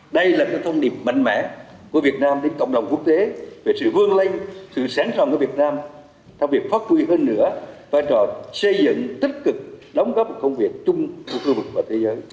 đây là thông điệp mạnh mẽ của việt nam đến cộng đồng quốc tế về sự vương linh sự sáng trọng của việt nam thông việc phát huy hơn nữa vai trò xây dựng tích cực đóng góp công việc chung với khu vực và thế giới